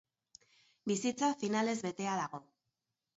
Bizitza finalez betea dago.